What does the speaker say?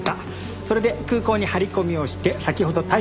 それで空港に張り込みをして先ほど逮捕。